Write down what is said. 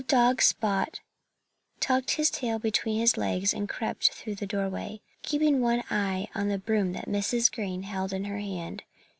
Old dog Spot tucked his tail between his legs and crept through the doorway, keeping one eye on the broom that Mrs. Green held in her hand.